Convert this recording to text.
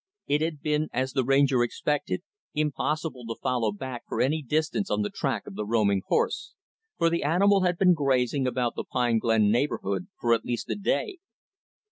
It had been as the Ranger expected impossible to follow back for any distance on the track of the roaming horse, for the animal had been grazing about the Pine Glen neighborhood for at least a day.